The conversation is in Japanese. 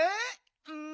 うん。